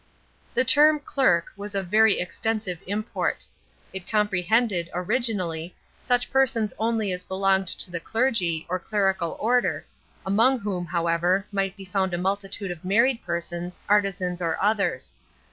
The term "clerk" was of very extensive import. It comprehended, originally, such persons only as belonged to the clergy, or clerical order, among whom, however, might be found a multitude of married persons, artisans or others.